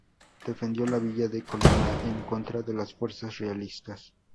Defendió la Villa de Colima en contra de las fuerzas realistas.